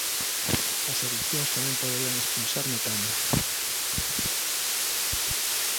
As erupcións tamén poderían expulsar metano.